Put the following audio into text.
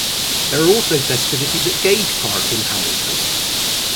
There are also festivities at Gage Park in Hamilton.